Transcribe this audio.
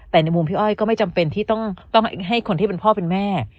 แต่ในมุมพี่อ้อยก็ไม่จำเป็นที่ต้องให้คนที่เป็นพ่อเป็นแม่